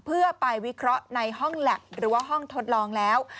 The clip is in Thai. เพื่อไปวิเคราะห์ในห้องแล็บหรือว่าห้องทดลองแล้ว